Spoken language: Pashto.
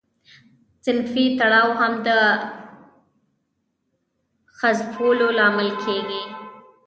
صنفي تړاو هم د حذفولو لامل کیږي.